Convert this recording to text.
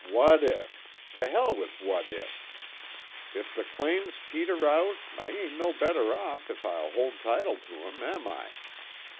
What if! To hell with what if! If the claims peter out I ain't no better off if I hold title to 'em, am I?